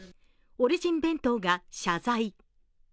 オリジン弁当が謝罪。